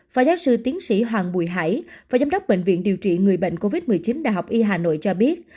phó giáo sư tiến sĩ hoàng bùi hải và giám đốc bệnh viện điều trị người bệnh covid một mươi chín đh y hà nội cho biết